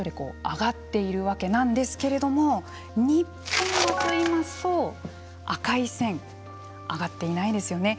上がっているわけなんですけれども日本はといいますと赤い線上がっていないですよね。